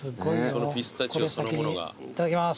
いただきます。